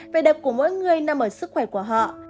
vẻ đẹp của mỗi người nằm ở sức khỏe của họ